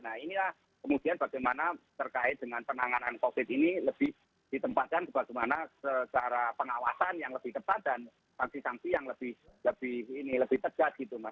nah inilah kemudian bagaimana terkait dengan penanganan covid sembilan belas ini lebih ditempatkan bagaimana secara pengawasan yang lebih tepat dan vaksin vaksin yang lebih tegak gitu mas